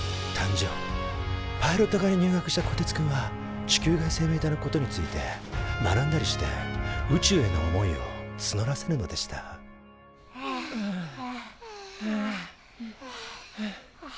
パイロット科に入学したこてつくんは地球外生命体のことについて学んだりして宇宙への思いをつのらせるのでしたはあはあはあ。